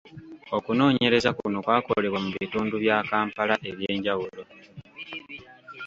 Okunoonyereza kuno kwakolebwa mu bitundu bya Kampala eby’enjawulo.